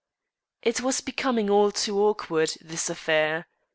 It was becoming all too awkward, this affair.